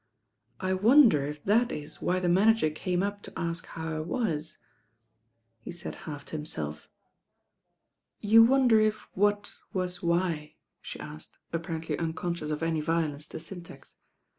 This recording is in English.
I wonder if that it why the manager came up to atk how I wat," he taid half to himtelf. "You wonder if what wat why?" the atked, apparently uncontdout of any violence to tyntax.